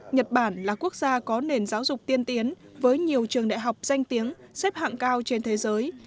nhật bản là quốc gia có nền giáo dục tiên tiến với nhiều trường đại học danh tiếng xếp hạng cao trên thế giới